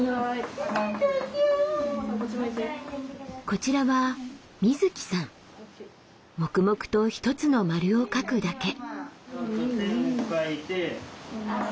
こちらは黙々と一つの丸を描くだけ。